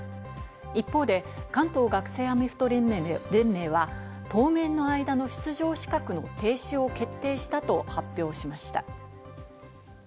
一方で、関東学生アメフト連盟は、当面の間の出場資格の停止を決定したと発表しました。